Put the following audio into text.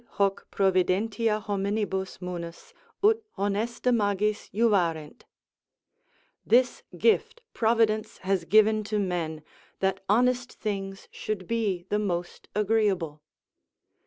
"Dedit hoc providentia hominibus munus, ut honesta magis juvarent." ["This gift Providence has given to men, that honest things should be the most agreeable."